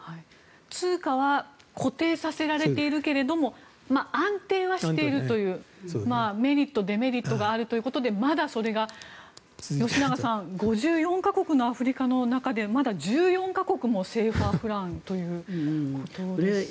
通貨は固定させられているけれども安定はしているというメリット、デメリットがあるということでまだそれが吉永さん５４か国のアフリカの中でまだ１４か国もＣＦＡフランということです。